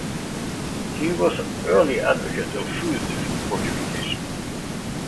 He was an early advocate of food fortification.